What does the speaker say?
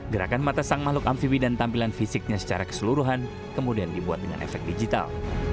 gerakan mata sang makhluk amfibi dan tampilan fisiknya secara keseluruhan kemudian dibuat dengan efek digital